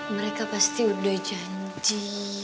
mereka pasti udah janji